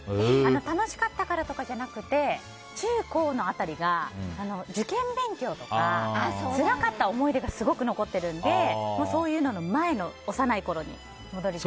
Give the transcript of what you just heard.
楽しかったからとかじゃなくて中高の辺りが受験勉強とかつらかった思い出がすごく残ってるのでそういうのの前の幼いころに戻りたい。